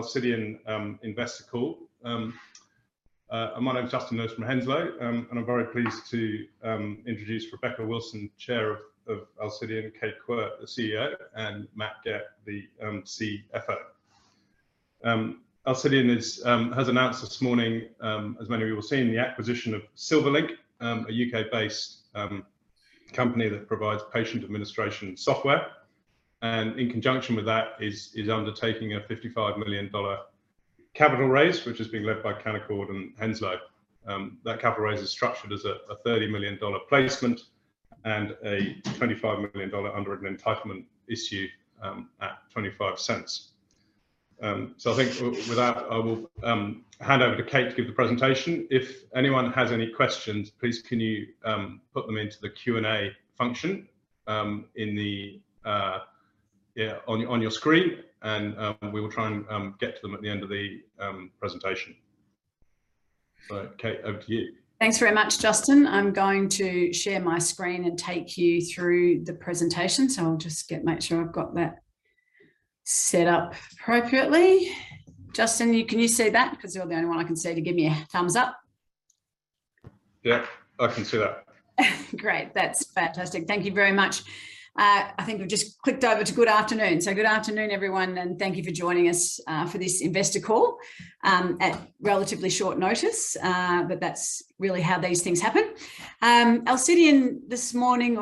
Alcidion investor call. My name's Justin Lewis from Henslow, and I'm very pleased to introduce Rebecca Wilson, Chair of Alcidion, Kate Quirke, CEO, and Matthew Gepp, CFO. Alcidion has announced this morning, as many of you will have seen, the acquisition of Silverlink, a U.K.-based company that provides patient administration software, and in conjunction with that is undertaking a 55 million dollar capital raise, which is being led by Canaccord and Henslow. That capital raise is structured as a 30 million dollar placement and a 25 million dollar under an entitlement issue at 0.25. I think with that, I will hand over to Kate to give the presentation. If anyone has any questions, please can you put them into the Q&A function on your screen and we will try and get to them at the end of the presentation. Kate, over to you. Thanks very much, Justin. I'm going to share my screen and take you through the presentation, so I'll just get, make sure I've got that set up appropriately. Justin, you, can you see that? Because you're the only one I can see to give me a thumbs up. Yeah, I can see that. Great. That's fantastic. Thank you very much. I think we've just clicked over to good afternoon. Good afternoon, everyone, and thank you for joining us for this investor call at relatively short notice, but that's really how these things happen. Alcidion this morning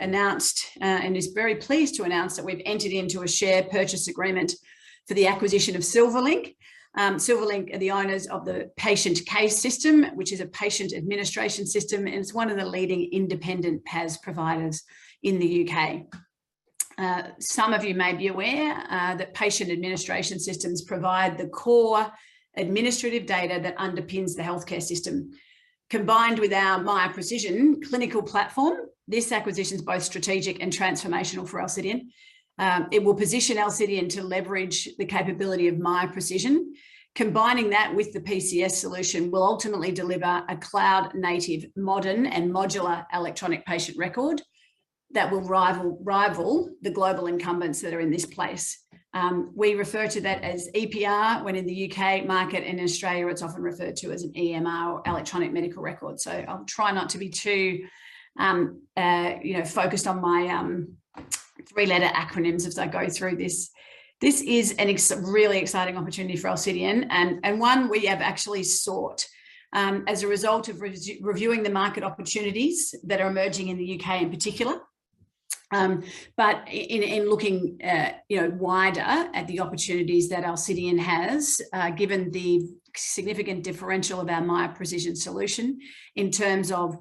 announced and is very pleased to announce that we've entered into a share purchase agreement for the acquisition of Silverlink. Silverlink are the owners of the Patient Care System, which is a patient administration system, and it's one of the leading independent PAS providers in the U.K. Some of you may be aware that patient administration systems provide the core administrative data that underpins the healthcare system. Combined with our Miya Precision clinical platform, this acquisition is both strategic and transformational for Alcidion. It will position Alcidion to leverage the capability of Miya Precision. Combining that with the PCS solution will ultimately deliver a cloud-native modern and modular electronic patient record that will rival the global incumbents that are in this space. We refer to that as EPR when in the U.K. market. In Australia it's often referred to as an EMR, or Electronic Medical Record, so I'll try not to be too you know focused on my three letter acronyms as I go through this. This is an extremely exciting opportunity for Alcidion and one we have actually sought as a result of reviewing the market opportunities that are emerging in the U.K. in particular. In looking, you know, wider at the opportunities that Alcidion has, given the significant differential of our Miya Precision solution in terms of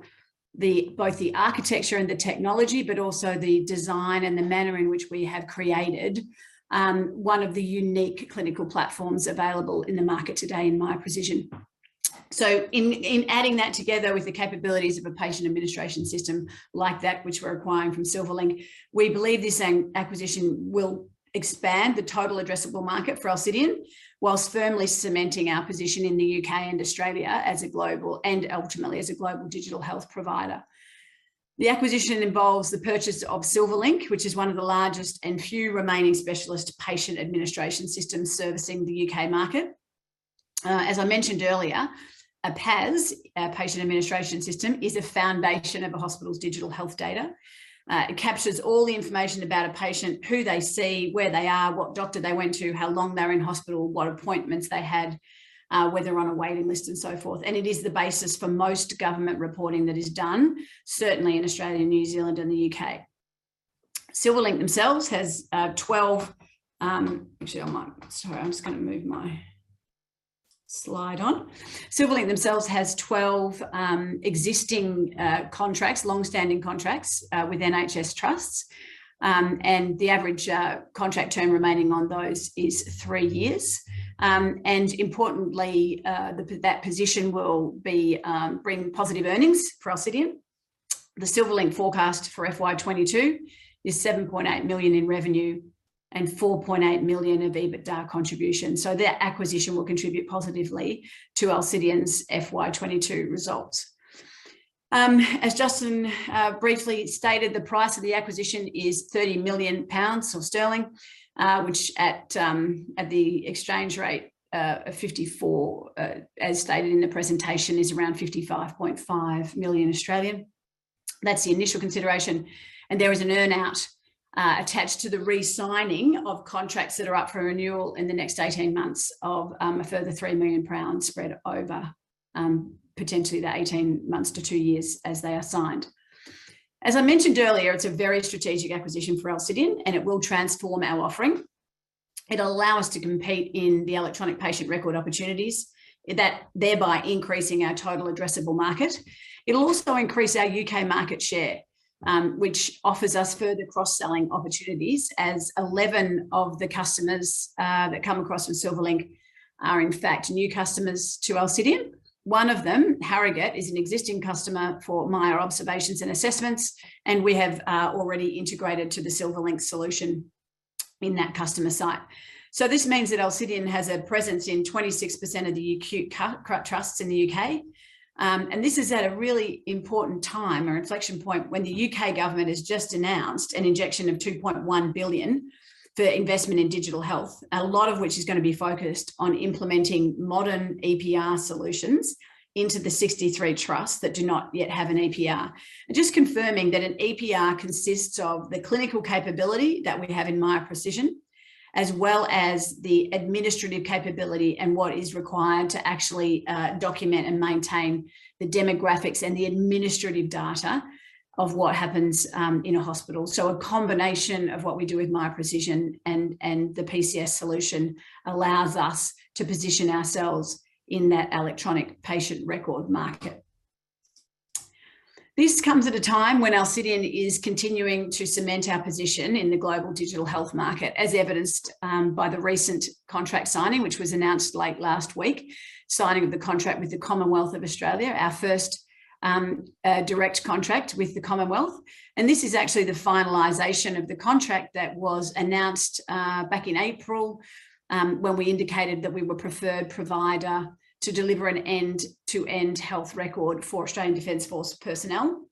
both the architecture and the technology, but also the design and the manner in which we have created one of the unique clinical platforms available in the market today in Miya Precision. In adding that together with the capabilities of a patient administration system like that which we're acquiring from Silverlink, we believe this acquisition will expand the total addressable market for Alcidion, while firmly cementing our position in the U.K. and Australia as a global, and ultimately as a global digital health provider. The acquisition involves the purchase of Silverlink, which is one of the largest and few remaining specialist patient administration systems servicing the U.K. market. As I mentioned earlier, a PAS, a patient administration system, is the foundation of a hospital's digital health data. It captures all the information about a patient, who they see, where they are, what doctor they went to, how long they were in hospital, what appointments they had, whether on a waiting list and so forth. It is the basis for most government reporting that is done, certainly in Australia, New Zealand and the U.K.. Silverlink themselves has 12 existing, contracts, long-standing contracts, with NHS trusts. The average contract term remaining on those is three years. Importantly, that position will bring positive earnings for Alcidion. The Silverlink forecast for FY 2022 is 7.8 million in revenue and 4.8 million of EBITDA contribution, so that acquisition will contribute positively to Alcidion's FY 2022 results. As Justin briefly stated, the price of the acquisition is 30 million pounds, or sterling, which at the exchange rate of 54, as stated in the presentation, is around 55.5 million. That's the initial consideration. There is an earn out attached to the re-signing of contracts that are up for renewal in the next 18 months of a further 3 million pounds spread over potentially the 18 months to two years as they are signed. As I mentioned earlier, it's a very strategic acquisition for Alcidion, and it will transform our offering. It'll allow us to compete in the electronic patient record opportunities, thereby increasing our total addressable market. It'll also increase our U.K. market share, which offers us further cross-selling opportunities as 11 of the customers that come across from Silverlink are in fact new customers to Alcidion. One of them, Harrogate, is an existing customer for Miya Observations and Assessments, and we have already integrated to the Silverlink solution in that customer site. This means that Alcidion has a presence in 26% of the U.K. NHS trusts in the U.K. This is at a really important time, or inflection point, when the U.K. government has just announced an injection of 2.1 billion for investment in digital health, a lot of which is gonna be focused on implementing modern EPR solutions into the 63 trusts that do not yet have an EPR. Just confirming that an EPR consists of the clinical capability that we have in Miya Precision, as well as the administrative capability and what is required to actually document and maintain the demographics and the administrative data of what happens in a hospital. A combination of what we do with Miya Precision and the PCS solution allows us to position ourselves in that electronic patient record market. This comes at a time when Alcidion is continuing to cement our position in the global digital health market, as evidenced by the recent contract signing, which was announced late last week, signing of the contract with the Commonwealth of Australia, our first direct contract with the Commonwealth. This is actually the finalization of the contract that was announced back in April, when we indicated that we were preferred provider to deliver an end-to-end health record for Australian Defence Force personnel.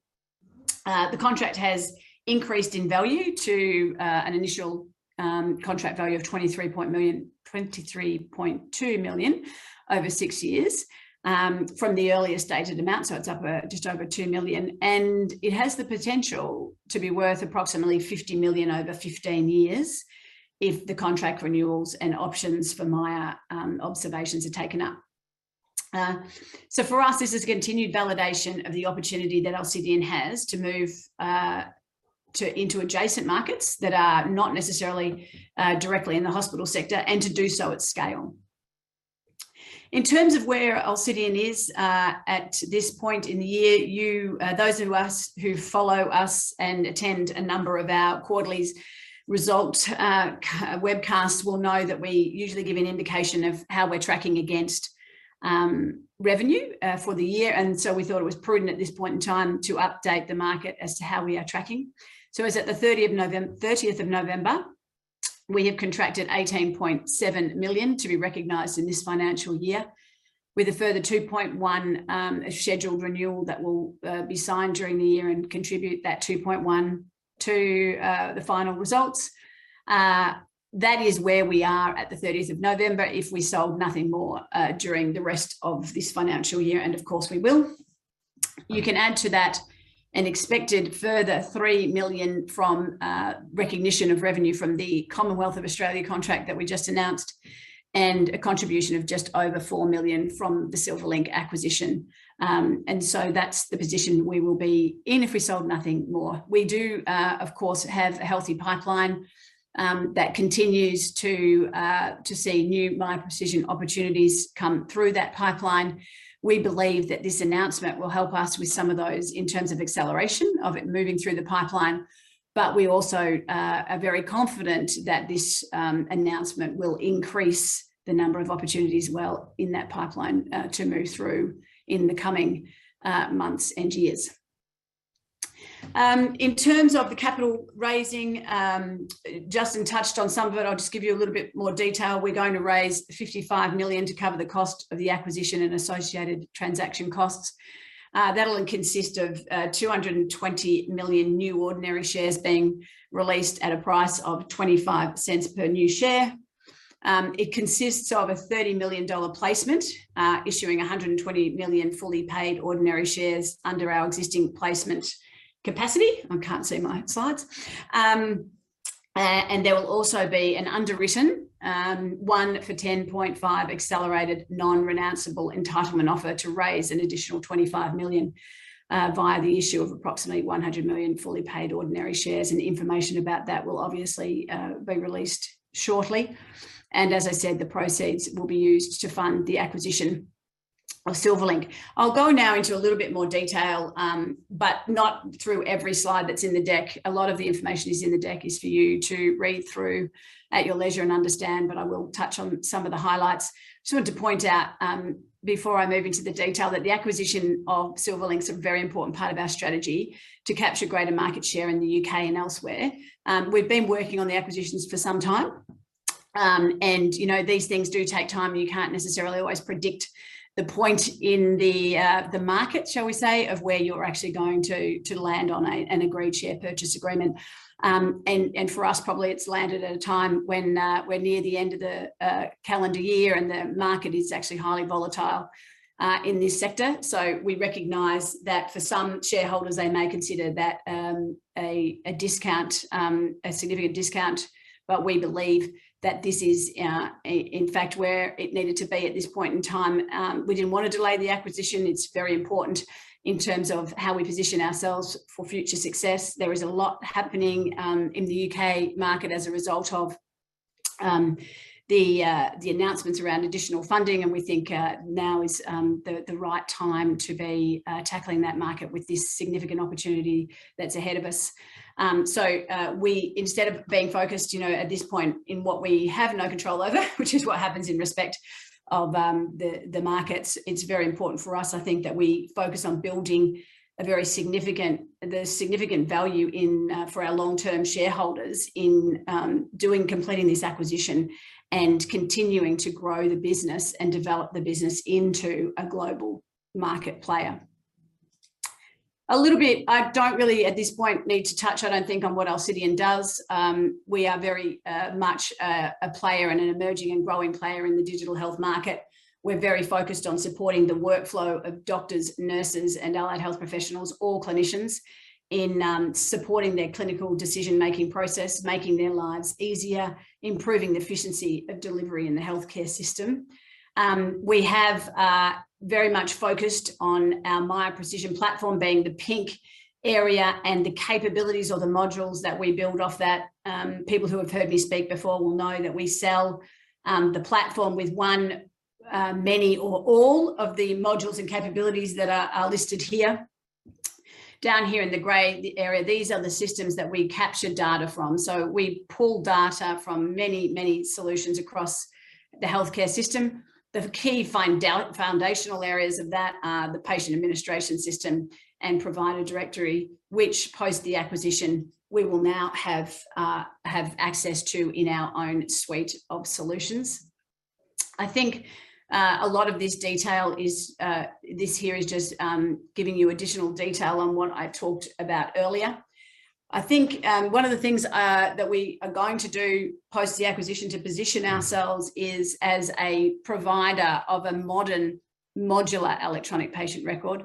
The contract has increased in value to an initial contract value of 23.2 million over six years from the earlier stated amount, so it's up just over 2 million. It has the potential to be worth approximately 50 million over 15 years if the contract renewals and options for Miya Observations are taken up. So for us, this is continued validation of the opportunity that Alcidion has to move into adjacent markets that are not necessarily directly in the hospital sector, and to do so at scale. In terms of where Alcidion is at this point in the year, you those of us who follow us and attend a number of our quarterly results webcasts will know that we usually give an indication of how we're tracking against revenue for the year. We thought it was prudent at this point in time to update the market as to how we are tracking. As at the 30th of November, we have contracted 18.7 million to be recognized in this financial year, with a further 2.1 scheduled renewal that will be signed during the year and contribute that 2.1 to the final results. That is where we are at the 30th of November if we sold nothing more during the rest of this financial year, and of course we will. You can add to that an expected further 3 million from recognition of revenue from the Commonwealth of Australia contract that we just announced, and a contribution of just over 4 million from the Silverlink acquisition. That's the position we will be in if we sold nothing more. We do, of course, have a healthy pipeline that continues to see new Miya Precision opportunities come through that pipeline. We believe that this announcement will help us with some of those in terms of acceleration of it moving through the pipeline, but we also are very confident that this announcement will increase the number of opportunities as well in that pipeline to move through in the coming months and years. In terms of the capital raising, Justin touched on some of it. I'll just give you a little bit more detail. We're going to raise 55 million to cover the cost of the acquisition and associated transaction costs. That'll consist of 220 million new ordinary shares being released at a price of 0.25 per new share. It consists of a 30 million dollar placement, issuing 120 million fully paid ordinary shares under our existing placement capacity. I can't see my slides. There will also be an underwritten one for 10.5 accelerated non-renounceable entitlement offer to raise an additional 25 million via the issue of approximately 100 million fully paid ordinary shares, and information about that will obviously be released shortly. As I said, the proceeds will be used to fund the acquisition of Silverlink. I'll go now into a little bit more detail, but not through every slide that's in the deck. A lot of the information in the deck is for you to read through at your leisure and understand, but I will touch on some of the highlights. Just wanted to point out, before I move into the detail, that the acquisition of Silverlink's a very important part of our strategy to capture greater market share in the U.K. and elsewhere. We've been working on the acquisitions for some time. You know, these things do take time, and you can't necessarily always predict the point in the market, shall we say, of where you're actually going to land on an agreed share purchase agreement. For us, probably it's landed at a time when we're near the end of the calendar year, and the market is actually highly volatile in this sector. We recognize that for some shareholders, they may consider that a significant discount. We believe that this is, in fact, where it needed to be at this point in time. We didn't want to delay the acquisition. It's very important in terms of how we position ourselves for future success. There is a lot happening in the U.K. market as a result of the announcements around additional funding, and we think now is the right time to be tackling that market with this significant opportunity that's ahead of us. We instead of being focused, you know, at this point in what we have no control over, which is what happens in respect of, the markets, it's very important for us, I think, that we focus on building a very significant value for our long-term shareholders in completing this acquisition and continuing to grow the business and develop the business into a global market player. A little bit, I don't really, at this point, need to touch, I don't think, on what Alcidion does. We are very much a player and an emerging and growing player in the digital health market. We're very focused on supporting the workflow of doctors, nurses, and allied health professionals, all clinicians, in supporting their clinical decision-making process, making their lives easier, improving the efficiency of delivery in the healthcare system. We have very much focused on our Miya Precision platform being the pink area, and the capabilities or the modules that we build off that. People who have heard me speak before will know that we sell the platform with one, many, or all of the modules and capabilities that are listed here. Down here in the gray, the area, these are the systems that we capture data from. We pull data from many solutions across the healthcare system. The key foundational areas of that are the patient administration system and provider directory, which, post the acquisition, we will now have access to in our own suite of solutions. I think a lot of this detail is just giving you additional detail on what I talked about earlier. I think one of the things that we are going to do post the acquisition to position ourselves is as a provider of a modern modular electronic patient record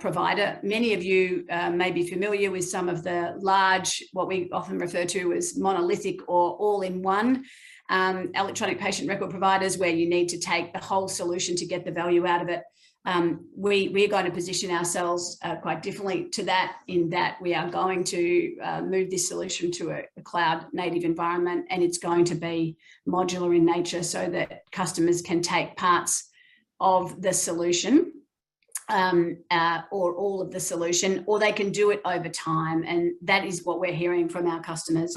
provider. Many of you may be familiar with some of the large, what we often refer to as monolithic or all-in-one, electronic patient record providers, where you need to take the whole solution to get the value out of it. We're gonna position ourselves quite differently to that, in that we are going to move this solution to a cloud-native environment, and it's going to be modular in nature so that customers can take parts of the solution, or all of the solution, or they can do it over time. That is what we're hearing from our customers,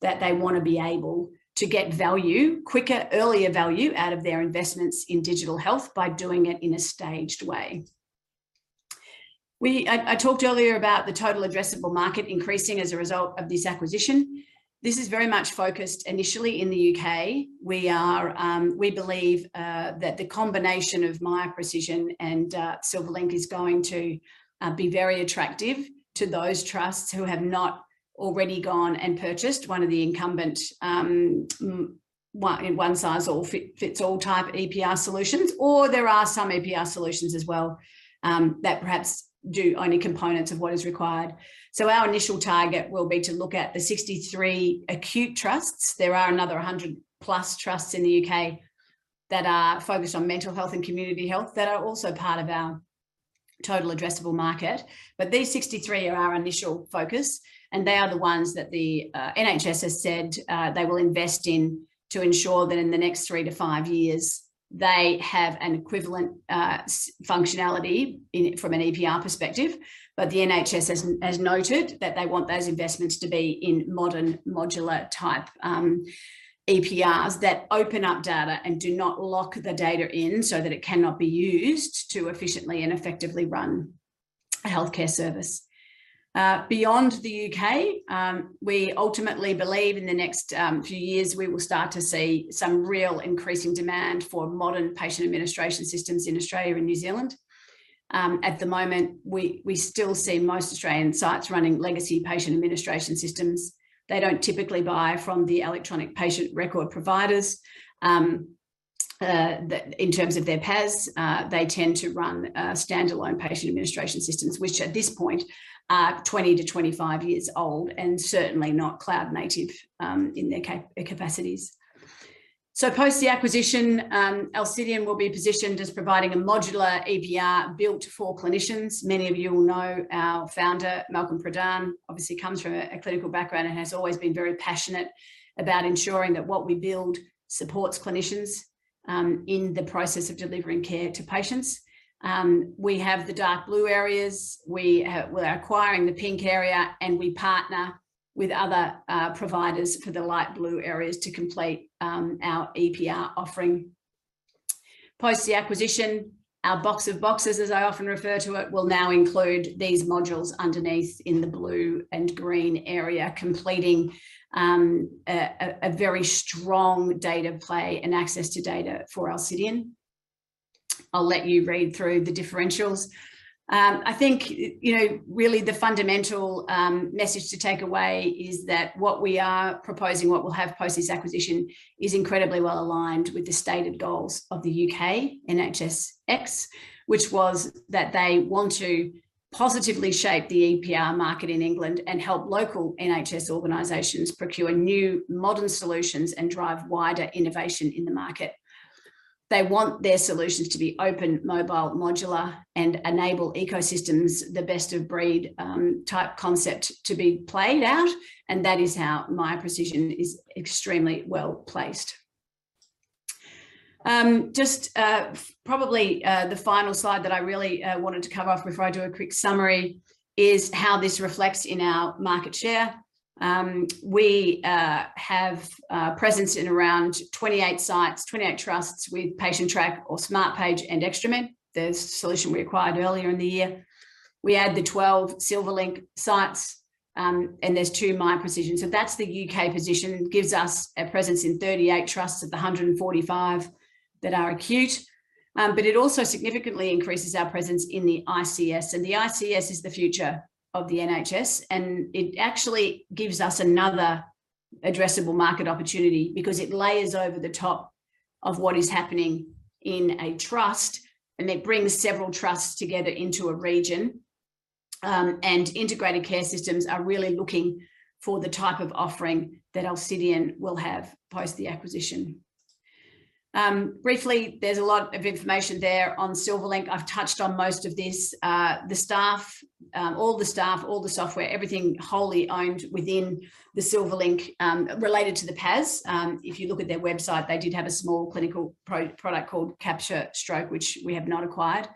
that they wanna be able to get value quicker, earlier value out of their investments in digital health by doing it in a staged way. I talked earlier about the total addressable market increasing as a result of this acquisition. This is very much focused initially in the U.K. We believe that the combination of Miya Precision and Silverlink is going to be very attractive to those trusts who have not already gone and purchased one of the incumbent one size fits all type EPR solutions, or there are some EPR solutions as well that perhaps do only components of what is required. Our initial target will be to look at the 63 acute trusts. There are another 100 plus trusts in the U.K. that are focused on mental health and community health that are also part of our total addressable market. These 63 are our initial focus, and they are the ones that the NHS has said they will invest in to ensure that in the next three-five years, they have an equivalent functionality in, from an EPR perspective. The NHS has noted that they want those investments to be in modern modular type EPRs that open up data and do not lock the data in so that it cannot be used to efficiently and effectively run a healthcare service. Beyond the U.K., we ultimately believe in the next few years, we will start to see some real increasing demand for modern patient administration systems in Australia and New Zealand. At the moment, we still see most Australian sites running legacy patient administration systems. They don't typically buy from the electronic patient record providers. In terms of their PAS, they tend to run standalone patient administration systems, which at this point are 20-25 years old and certainly not cloud-native in their capacities. Post the acquisition, Alcidion will be positioned as providing a modular EPR built for clinicians. Many of you will know our founder, Malcolm Pradhan, obviously comes from a clinical background and has always been very passionate about ensuring that what we build supports clinicians in the process of delivering care to patients. We have the dark blue areas. We're acquiring the pink area, and we partner with other providers for the light blue areas to complete our EPR offering. Post the acquisition, our box of boxes, as I often refer to it, will now include these modules underneath in the blue and green area, completing a very strong data play and access to data for Alcidion. I'll let you read through the differentials. I think, you know, really the fundamental message to take away is that what we are proposing, what we'll have post this acquisition, is incredibly well aligned with the stated goals of the U.K. NHSX, which was that they want to positively shape the EPR market in England and help local NHS organizations procure new modern solutions and drive wider innovation in the market. They want their solutions to be open, mobile, modular, and enable ecosystems, the best of breed type concept to be played out, and that is how Miya Precision is extremely well-placed. Just probably the final slide that I really wanted to cover off before I do a quick summary is how this reflects in our market share. We have presence in around 28 sites, 28 trusts with Patientrack or Smartpage and ExtraMed, the solution we acquired earlier in the year. We add the 12 Silverlink sites, and there's two Miya Precision. So that's the U.K. position. Gives us a presence in 38 trusts of the 145 that are acute. It also significantly increases our presence in the ICS, and the ICS is the future of the NHS, and it actually gives us another addressable market opportunity because it layers over the top of what is happening in a trust, and it brings several trusts together into a region. Integrated care systems are really looking for the type of offering that Alcidion will have post the acquisition. Briefly, there's a lot of information there on Silverlink. I've touched on most of this. The staff, all the software, everything wholly owned within Silverlink related to the PAS. If you look at their website, they did have a small clinical product called CaptureStroke, which we have not acquired.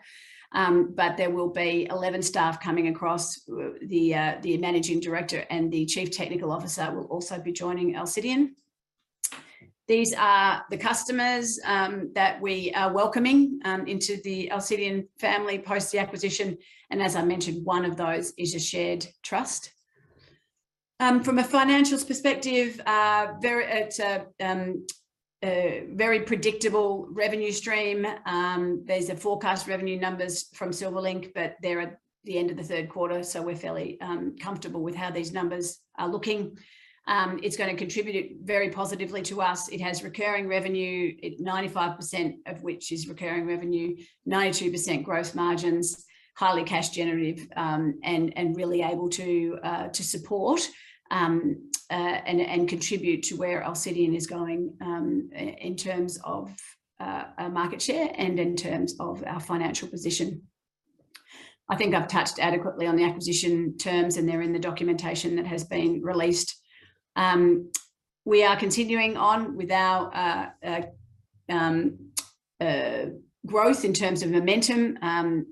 There will be 11 staff coming across. The Managing Director and the Chief Technical Officer will also be joining Alcidion. These are the customers that we are welcoming into the Alcidion family post the acquisition, and as I mentioned, one of those is a shared trust. From a financials perspective, it's a very predictable revenue stream. These are forecast revenue numbers from Silverlink, but they're at the end of the third quarter, so we're fairly comfortable with how these numbers are looking. It's gonna contribute very positively to us. It has recurring revenue, 95% of which is recurring revenue, 92% gross margins, highly cash generative, and really able to support and contribute to where Alcidion is going, in terms of our market share and in terms of our financial position. I think I've touched adequately on the acquisition terms, and they're in the documentation that has been released. We are continuing on with our growth in terms of momentum.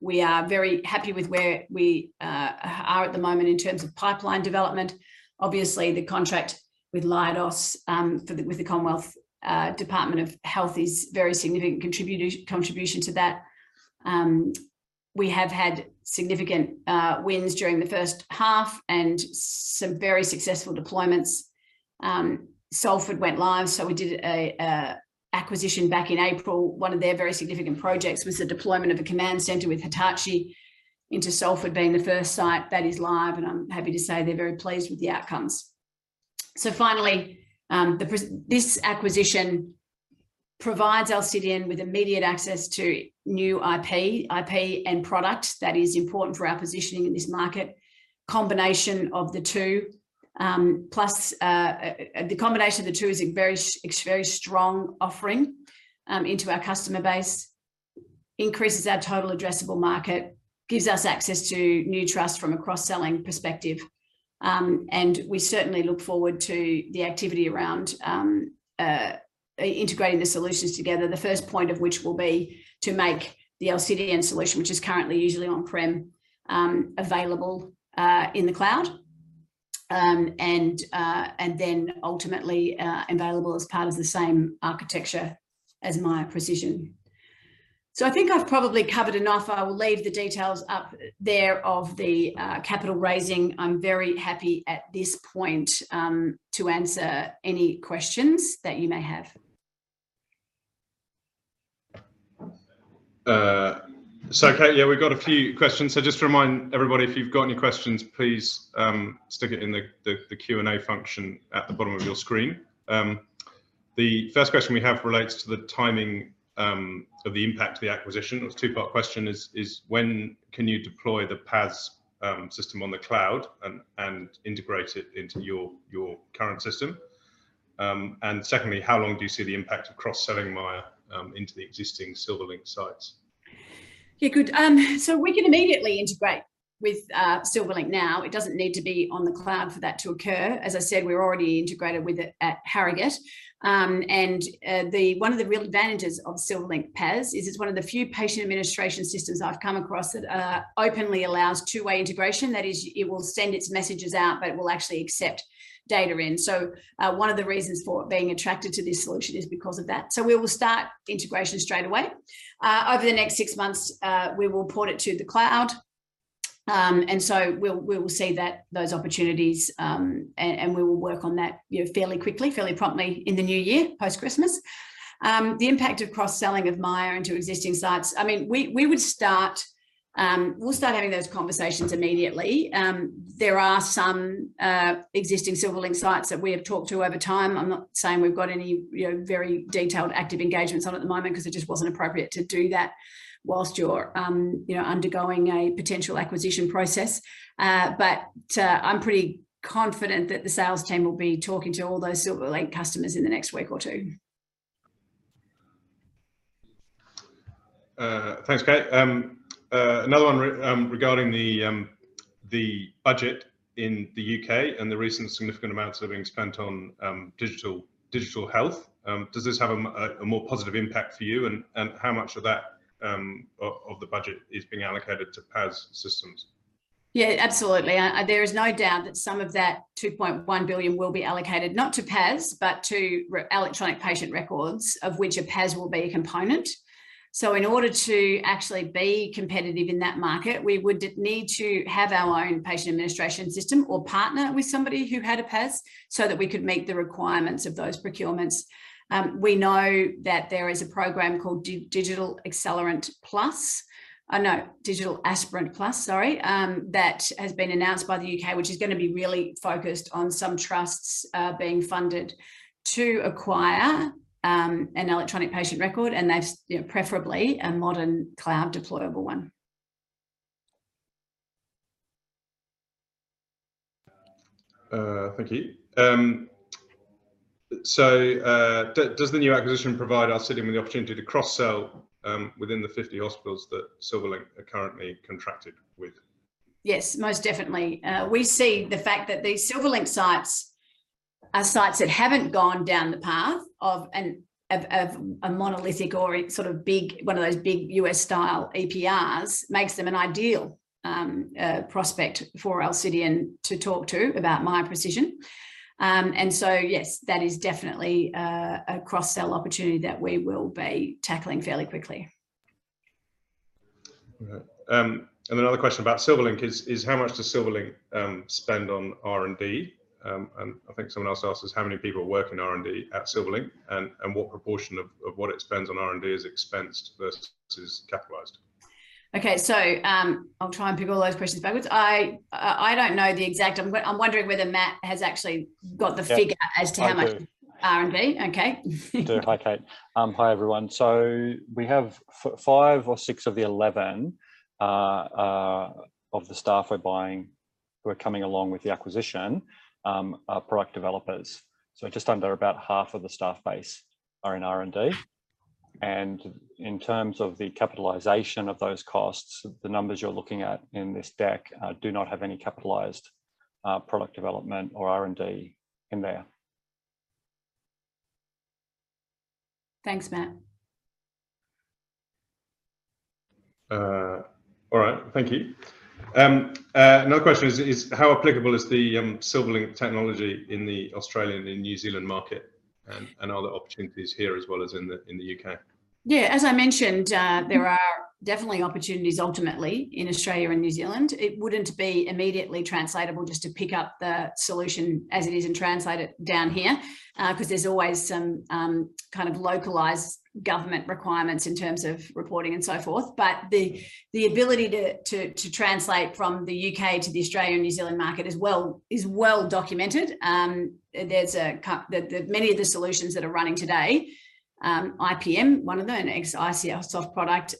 We are very happy with where we are at the moment in terms of pipeline development. Obviously, the contract with Leidos for the Commonwealth Department of Health is very significant contribution to that. We have had significant wins during the first half and some very successful deployments. Salford went live, so we did an acquisition back in April. One of their very significant projects was the deployment of a command center with Hitachi into Salford being the first site. That is live, and I'm happy to say they're very pleased with the outcomes. Finally, this acquisition provides Alcidion with immediate access to new IP and product that is important for our positioning in this market. Combination of the two is a very strong offering into our customer base, increases our total addressable market, gives us access to new trusts from a cross-selling perspective. We certainly look forward to the activity around integrating the solutions together. The first point of which will be to make the Alcidion solution, which is currently usually on-prem, available in the cloud, and then ultimately available as part of the same architecture as Miya Precision. I think I've probably covered enough. I will leave the details up there of the capital raising. I'm very happy at this point to answer any questions that you may have. Kate, we've got a few questions. Just to remind everybody, if you've got any questions, please stick it in the Q&A function at the bottom of your screen. The first question we have relates to the timing of the impact of the acquisition. It's a two-part question. When can you deploy the PAS system on the cloud and integrate it into your current system? And secondly, how long do you see the impact of cross-selling Miya into the existing Silverlink sites? Yeah, good. We can immediately integrate with Silverlink now. It doesn't need to be on the cloud for that to occur. As I said, we're already integrated with it at Harrogate. One of the real advantages of Silverlink PAS is it's one of the few patient administration systems I've come across that openly allows two-way integration. That is, it will send its messages out, but it will actually accept data in. One of the reasons for being attracted to this solution is because of that. We will start integration straightaway. Over the next six months, we will port it to the cloud. We will see those opportunities and we will work on that, you know, fairly quickly, fairly promptly in the new year, post-Christmas. The impact of cross-selling of Miya into existing sites, I mean, we'll start having those conversations immediately. There are some existing Silverlink sites that we have talked to over time. I'm not saying we've got any, you know, very detailed active engagements on at the moment because it just wasn't appropriate to do that whilst you're, you know, undergoing a potential acquisition process. I'm pretty confident that the sales team will be talking to all those Silverlink customers in the next week or two. Thanks, Kate. Another one regarding the budget in the U.K. and the recent significant amounts that are being spent on digital health. Does this have a more positive impact for you, and how much of that budget is being allocated to PAS systems? Yeah, absolutely. There is no doubt that some of that 2.1 billion will be allocated, not to PAS, but to electronic patient records, of which a PAS will be a component. In order to actually be competitive in that market, we would need to have our own patient administration system, or partner with somebody who had a PAS so that we could meet the requirements of those procurements. We know that there is a program called Digital Aspirant Plus that has been announced by the U.K., which is gonna be really focused on some trusts being funded to acquire an electronic patient record, and preferably a modern cloud deployable one. Thank you. Does the new acquisition provide Alcidion with the opportunity to cross-sell within the 50 hospitals that Silverlink are currently contracted with? Yes, most definitely. We see the fact that these Silverlink sites are sites that haven't gone down the path of a monolithic or a sort of big one of those big U.S. style EPRs makes them an ideal prospect for Alcidion to talk to about Miya Precision. Yes, that is definitely a cross-sell opportunity that we will be tackling fairly quickly. Right. Another question about Silverlink is how much does Silverlink spend on R&D? I think someone else asked us how many people work in R&D at Silverlink, and what proportion of what it spends on R&D is expensed versus capitalized? I'll try and pick all those questions backwards. I don't know the exact. I'm wondering whether Matt has actually got the figure. Yeah. I do. as to how much R&D. Okay. I do. Hi, Kate. Hi, everyone. We have five or six of the 11 of the staff we're buying who are coming along with the acquisition are product developers. Just under about half of the staff base are in R&D. In terms of the capitalization of those costs, the numbers you're looking at in this deck do not have any capitalized product development or R&D in there. Thanks, Matt. All right, thank you. Another question is how applicable is the Silverlink technology in the Australian and New Zealand market, and are there opportunities here as well as in the U.K.? Yeah. As I mentioned, there are definitely opportunities ultimately in Australia and New Zealand. It wouldn't be immediately translatable just to pick up the solution as it is and translate it down here, 'cause there's always some kind of localized government requirements in terms of reporting and so forth. The ability to translate from the U.K. to the Australian and New Zealand market is well documented. Many of the solutions that are running today, IPFM, one of them, an iSOFT product,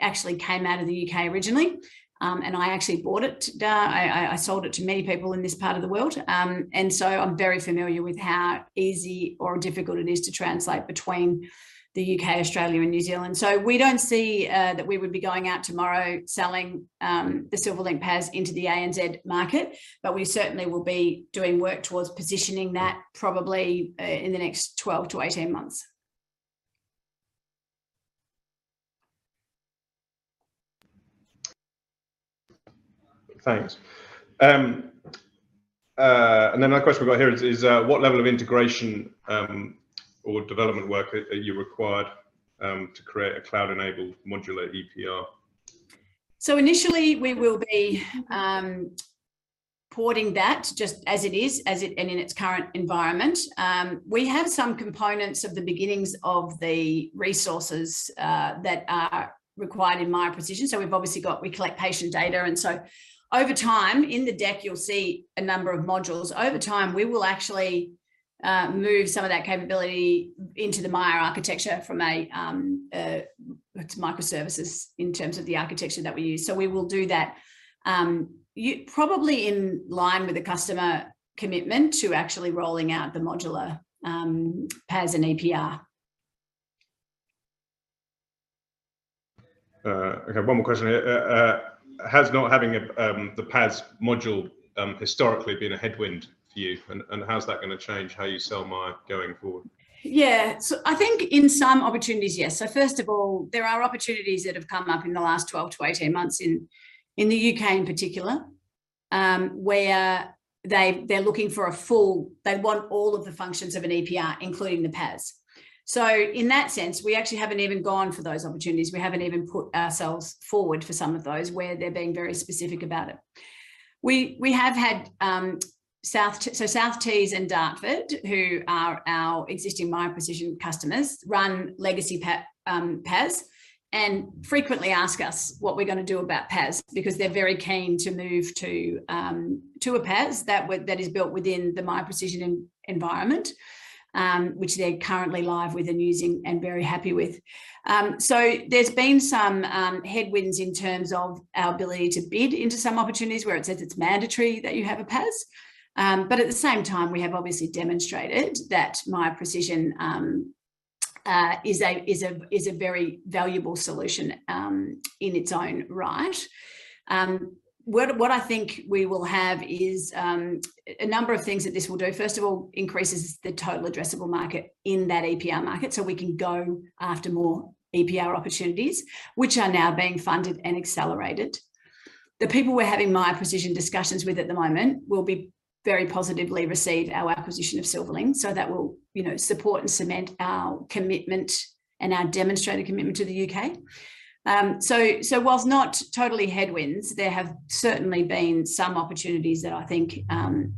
actually came out of the U.K. originally. I actually bought it. I sold it to many people in this part of the world. I'm very familiar with how easy or difficult it is to translate between the U.K., Australia, and New Zealand. We don't see that we would be going out tomorrow selling the Silverlink PAS into the ANZ market, but we certainly will be doing work towards positioning that probably in the next 12-18 months. Thanks. Another question we've got here is what level of integration or development work are you required to create a cloud-enabled modular EPR? Initially we will be porting that just as it is and in its current environment. We have some components of the beginnings of the resources that are required in Miya Precision. We've obviously got we collect patient data. Over time, in the deck you'll see a number of modules. Over time, we will actually move some of that capability into the Miya architecture, it's microservices in terms of the architecture that we use. We will do that probably in line with the customer commitment to actually rolling out the modular PAS and EPR. One more question. Has not having the PAS module historically been a headwind for you, and how's that gonna change how you sell Miya going forward? Yeah. I think in some opportunities, yes. First of all, there are opportunities that have come up in the last 12-18 months in the U.K. in particular, where they're looking for a full. They want all of the functions of an EPR, including the PAS. In that sense, we actually haven't even gone for those opportunities. We haven't even put ourselves forward for some of those where they're being very specific about it. We have had South Tees and Dartford, who are our existing Miya Precision customers, run legacy PAS, and frequently ask us what we're gonna do about PAS, because they're very keen to move to a PAS that is built within the Miya Precision environment, which they're currently live with and using and very happy with. There's been some headwinds in terms of our ability to bid into some opportunities where it says it's mandatory that you have a PAS. At the same time, we have obviously demonstrated that Miya Precision is a very valuable solution in its own right. I think we will have a number of things that this will do. First of all, it increases the total addressable market in that EPR market, so we can go after more EPR opportunities, which are now being funded and accelerated. The people we're having Miya Precision discussions with at the moment have very positively received our acquisition of Silverlink. That will, you know, support and cement our commitment and our demonstrated commitment to the U.K. While not totally headwinds, there have certainly been some opportunities that I think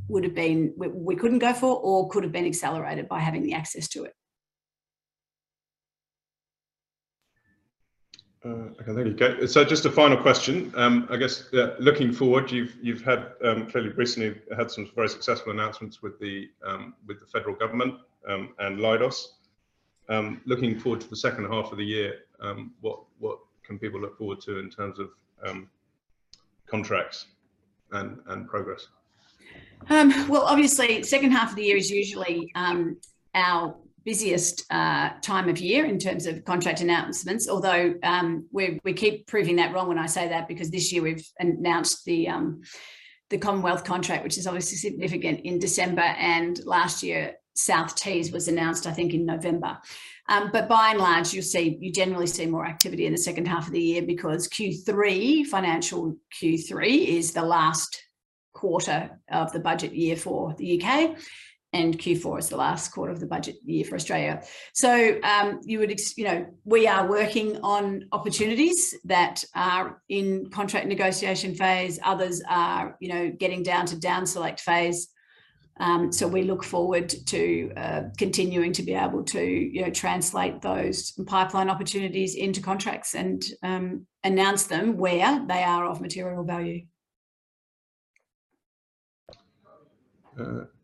would have been. We couldn't go for or could have been accelerated by having the access to it. Okay. There you go. Just a final question. I guess, looking forward, you've had fairly recently some very successful announcements with the federal government and Leidos. Looking forward to the second half of the year, what can people look forward to in terms of contracts and progress? Well, obviously, second half of the year is usually our busiest time of year in terms of contract announcements. Although, we keep proving that wrong when I say that because this year we've announced the Commonwealth contract, which is obviously significant in December, and last year South Tees was announced, I think, in November. But by and large, you'll see, you generally see more activity in the second half of the year because Q3, financial Q3 is the last quarter of the budget year for the U.K., and Q4 is the last quarter of the budget year for Australia. You know, we are working on opportunities that are in contract negotiation phase. Others are, you know, getting down to downselect phase. We look forward to continuing to be able to, you know, translate those pipeline opportunities into contracts and announce them where they are of material value.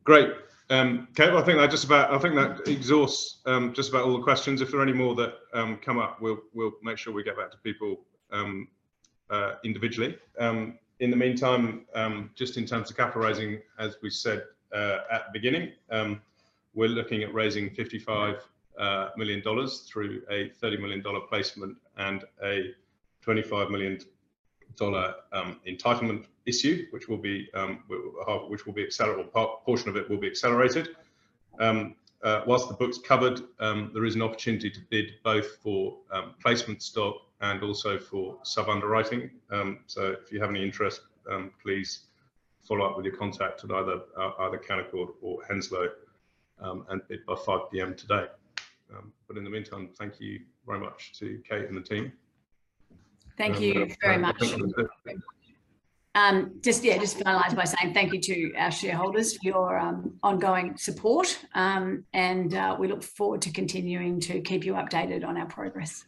Great. Kate, well, I think that exhausts just about all the questions. If there are any more that come up, we'll make sure we get back to people individually. In the meantime, just in terms of capitalizing, as we said at the beginning, we're looking at raising 55 million dollars through a 30 million dollar placement and a 25 million dollar entitlement issue, which will be, portion of it will be accelerated. Whilst the book's covered, there is an opportunity to bid both for placement stock and also for sub-underwriting. If you have any interest, please follow up with your contact at either Canaccord or Henslow, and bid by 5 P.M. today. In the meantime, thank you very much to Kate and the team. Thank you very much. Have a good day. Just to finalize by saying thank you to our shareholders for your ongoing support. We look forward to continuing to keep you updated on our progress.